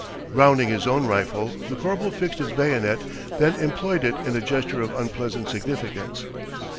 Grounding his own rifle, the corporal fixed its bayonet, then employed it in a gesture of unpleasant significance.